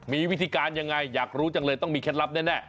มีวิธีการยังไงอยากรู้จังเลยต้องมีเคล็ดลับแน่